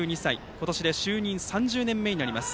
今年で就任３０年目になります。